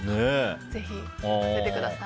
ぜひ、描かせてください。